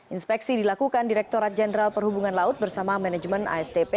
inspeksi dilakukan direkturat jenderal perhubungan laut bersama manajemen astp